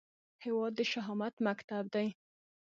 هیواد د شهامت مکتب دی